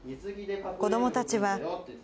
子どもたちは。